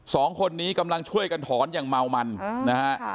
สองคนนี้กำลังช่วยกันถอนอย่างเมามันนะฮะ